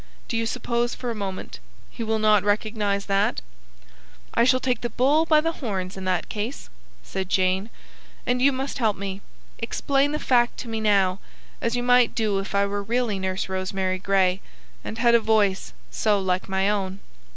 Do you suppose, for a moment, he will not recognise that?" "I shall take the bull by the horns in that case," said Jane, "and you must help me. Explain the fact to me now, as you might do if I were really Nurse Rosemary Gray, and had a voice so like my own."